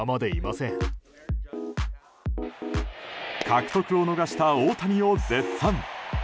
獲得を逃した大谷を絶賛。